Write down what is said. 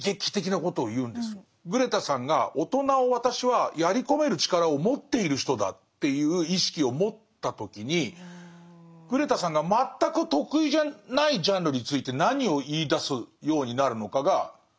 グレタさんが大人を私はやり込める力を持っている人だっていう意識を持った時にグレタさんが全く得意じゃないジャンルについて何を言いだすようになるのかが。